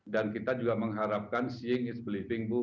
dan kita juga mengharapkan seeing is believing bu